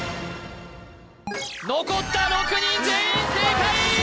残った６人全員正解！